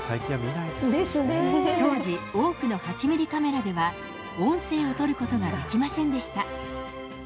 当時、多くの８ミリカメラでは、音声をとることができませんでした。